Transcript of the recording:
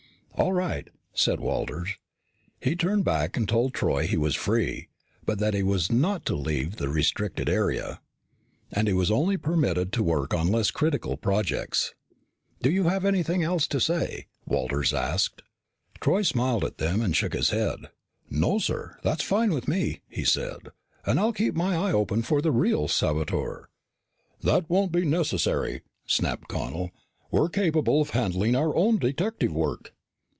"All right," said Walters. He turned back and told Troy he was free, but that he was not to leave the restricted area. And he was only permitted to work on less critical projects. "Do you have anything to say?" Walters asked. Troy smiled at them and shook his head. "No, sir. That's fine with me," he said. "And I'll keep my eye open for the real saboteur " "That won't be necessary!" snapped Connel. "We're capable of handling our own detective work."